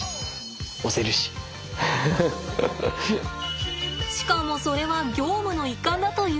しかもそれは業務の一環だというのです。